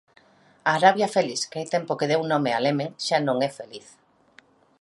A Arabia Félix que hai tempo deu nome a Iemen, xa non é feliz.